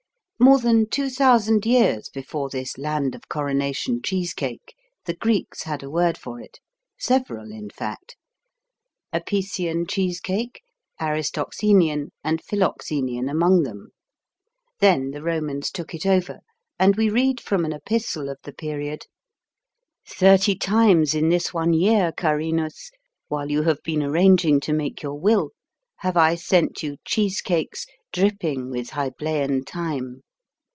More than 2,000 years before this land of Coronation cheese cake, the Greeks had a word for it several in fact: Apician Cheese Cake, Aristoxenean, and Philoxenean among them. Then the Romans took it over and we read from an epistle of the period: Thirty times in this one year, Charinus, while you have been arranging to make your will, have I sent you cheese cakes dripping with Hyblaean Thyme.